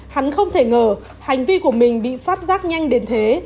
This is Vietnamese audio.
hắn không thể ngờ hành vi của mình bị phát giác nhanh đến thế